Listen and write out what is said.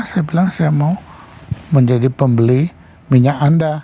saya bilang saya mau menjadi pembeli minyak anda